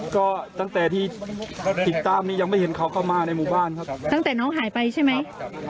ก็ตั้งแต่ที่ติดตามนี้ยังไม่เห็นเขาก็มาในหมู่บ้านครับตั้งแต่น้องหายไปใช่ไหม